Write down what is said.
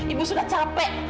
ibu sudah capek